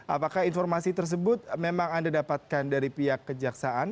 apakah informasi tersebut memang anda dapatkan dari pihak kejaksaan